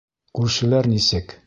Күршеләр нисек?